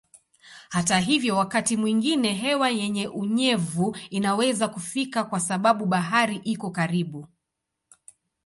Hata hivyo wakati mwingine hewa yenye unyevu inaweza kufika kwa sababu bahari iko karibu.